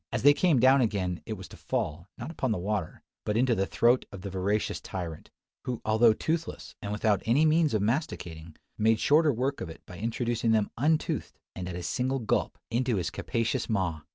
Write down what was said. As they came down again, it was to fall, not upon the water, but into the throat of the voracious tyrant; who, although toothless and without any means of masticating, made shorter work of it by introducing them untoothed, and at a single gulp, into his capacious maw!